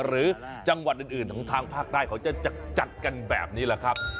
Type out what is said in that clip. หรือจังหวัดอื่นของทางภาคใต้เขาจะจัดกันแบบนี้แหละครับ